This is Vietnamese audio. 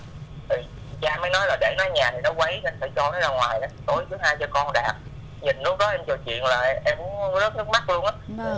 nhìn lúc đó em trò chuyện là em rớt nước mắt luôn á